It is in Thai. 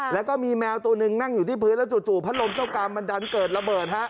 แล้วก็มีแมวตัวหนึ่งนั่งอยู่ที่พื้นแล้วจู่พัดลมเจ้ากรรมมันดันเกิดระเบิดฮะ